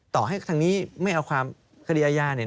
ต่อให้ทางนี้ไม่เอาความคดีอาญาเนี่ย